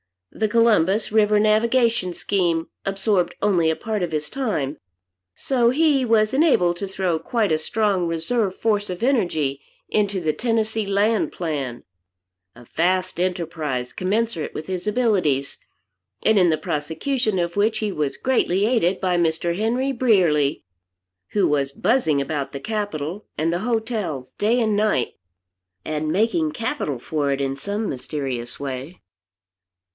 The Columbus River Navigation Scheme absorbed only a part of his time, so he was enabled to throw quite a strong reserve force of energy into the Tennessee Land plan, a vast enterprise commensurate with his abilities, and in the prosecution of which he was greatly aided by Mr. Henry Brierly, who was buzzing about the capitol and the hotels day and night, and making capital for it in some mysterious way.